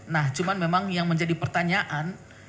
nah cuma memang yang menjadi pertanyaan